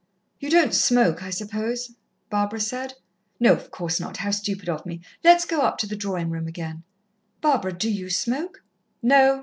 "You don't smoke, I suppose?" Barbara said. "No, of course not how stupid of me! Let's go up to the drawing room again." "Barbara, do you smoke?" "No.